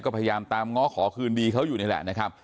ก็พยายามตามง้อขอคืนดีเขาอยู่นี่แหละนะครับ